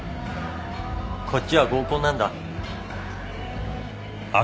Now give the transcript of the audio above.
こっちは合コンなんだ。